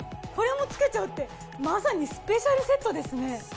これも付けちゃうってまさにスペシャルセットですね。